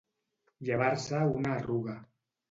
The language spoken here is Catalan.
Llevar-se una arruga.